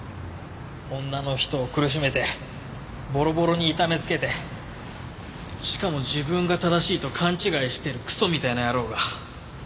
女の人を苦しめてボロボロに痛めつけてしかも自分が正しいと勘違いしてるクソみたいな野郎が。